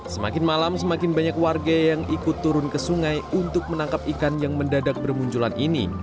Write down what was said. semakin malam semakin banyak warga yang ikut turun ke sungai untuk menangkap ikan yang mendadak bermunculan ini